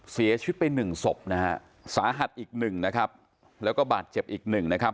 เสียชอบไป๑ศพศาหัสอีก๑แล้วก็บาดเจ็บอีก๑